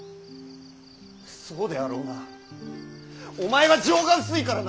そうであろうなお前は情が薄いからな！